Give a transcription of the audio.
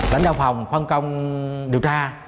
lãnh đạo phòng phân công điều tra